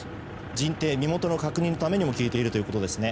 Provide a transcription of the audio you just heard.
人定、身元の確認のためにも聞いているということですね。